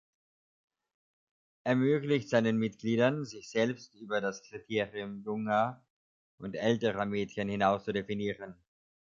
Ermöglicht seinen Mitgliedern, sich selbst über das Kriterium junger und älterer Mädchen hinaus zu definieren.